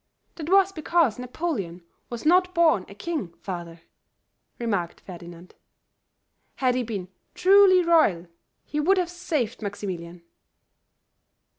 "That was because Napoleon was not born a king, father," remarked Ferdinand. "Had he been truly royal, he would have saved Maximilian."